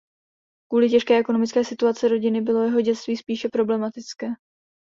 Kvůli těžké ekonomické situaci rodiny bylo jeho dětství spíše problematické.